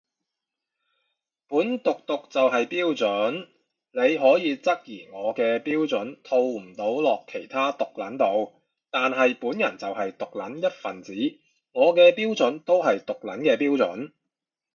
本毒毒就係標準，你可以質疑我嘅標準套唔到落其他毒撚度，但係本人就係毒撚一份子，我嘅標準都係毒撚嘅標準